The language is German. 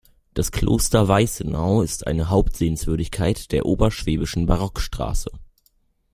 Das Kloster Weißenau ist eine Hauptsehenswürdigkeit der Oberschwäbischen Barockstraße.